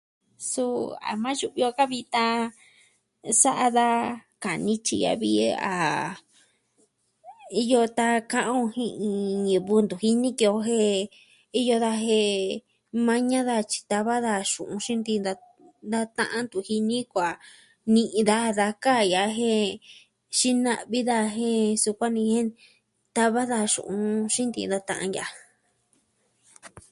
Suu a maa yu'vi o ka vitan, sa'a da kaa nityi a vi a... iyo tan ka'an o jin iin ñivɨ ntu jini ki o jen iyo daja jen... maña daja tyi tava daja xu'un xiin ntiin... da ta'an ntu jini kuaa ni'i daja da kaa ya'a jen... xina'vi daja jen sukuan ni jen... tava da xu'un xiin ntii da ta'an ya'a.